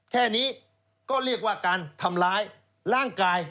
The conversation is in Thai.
แค่นี้ก็เรียกว่าการทำร้ายร่างกาย